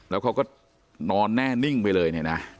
แล้วนอนแน่นิ่งไปเลย